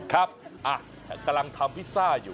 ครับอ่ะกำลังทำพิซซ่าอยู่